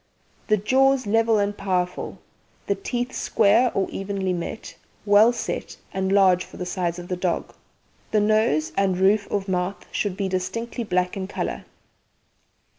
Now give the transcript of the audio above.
The jaws level and powerful, and teeth square or evenly met, well set, and large for the size of the dog. The nose and roof of mouth should be distinctly black in colour.